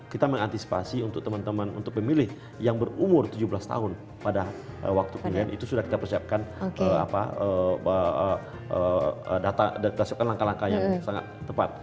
kita mengantisipasi untuk teman teman untuk pemilih yang berumur tujuh belas tahun pada waktu pemilihan itu sudah kita persiapkan langkah langkah yang sangat tepat